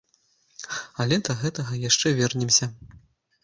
Але да гэтага яшчэ вернемся.